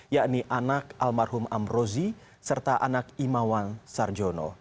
yakni anak almarhum amrozi serta anak imawan sarjono